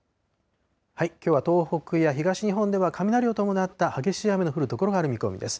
きょうは東北や東日本では、雷を伴った激しい雨の降る所がある見込みです。